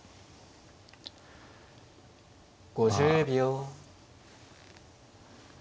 ５０秒。